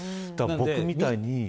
僕みたいに。